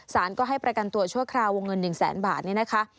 สารก็ให้ประกันตัวชั่วคราววงเงิน๑แสนบาทนี่นะคะ